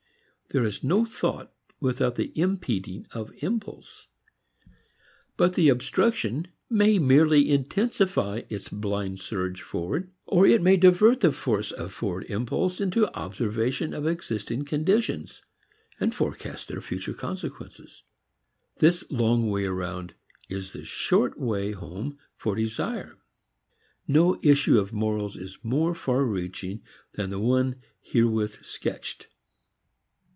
There is no thought without the impeding of impulse. But the obstruction may merely intensify its blind surge forward; or it may divert the force of forward impulse into observation of existing conditions and forecast of their future consequences. This long way around is the short way home for desire. No issue of morals is more far reaching than the one herewith sketched.